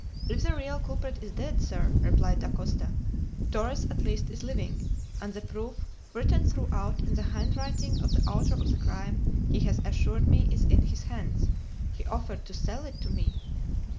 "If the real culprit is dead, sir," replied Dacosta, "Torres at least is living, and the proof, written throughout in the handwriting of the author of the crime, he has assured me is in his hands! He offered to sell it to me!"